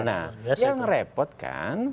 nah yang repot kan